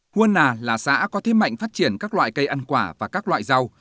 huân nà là xã có thiết mạnh phát triển các loại cây ăn quả và các loại rau